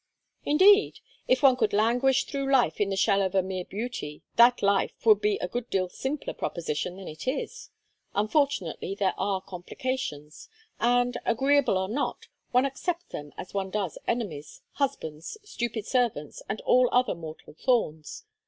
"Indeed? If one could languish through life in the shell of a mere beauty that life would be a good deal simpler proposition than it is. Unfortunately there are complications, and, agreeable or not, one accepts them as one does enemies, husbands, stupid servants, and all other mortal thorns.